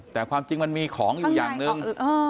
แต่ความจริงมันมีของอยู่อย่างหนึ่ง